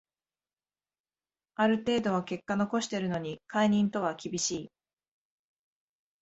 ある程度は結果残してるのに解任とは厳しい